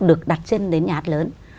được đặt trên đến nhà hát lớn